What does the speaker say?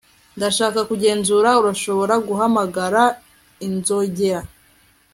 ndashaka kugenzura urashobora guhamagara inzogera